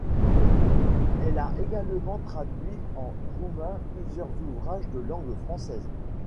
Elle a également traduit en roumain plusieurs ouvrages de langue française.